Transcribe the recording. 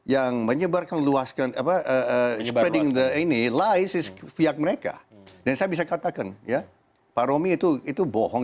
yang menyebarkan luaskan apa ini layak mereka dan saya bisa katakan ya pak romy itu itu bohong